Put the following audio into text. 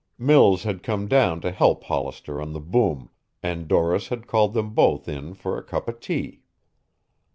Mills had come down to help Hollister on the boom, and Doris had called them both in for a cup of tea.